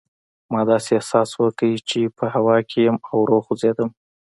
ما داسې احساس وکړل چې په هوا کې یم او ورو خوځېدم.